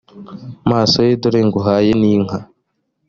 maso ye dore nguhaye n inka